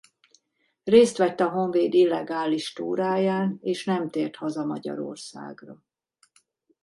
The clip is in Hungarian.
Részt vett a Honvéd illegális túráján és nem tért haza Magyarországra.